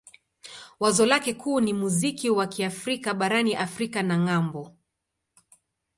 Wazo lake kuu ni muziki wa Kiafrika barani Afrika na ng'ambo.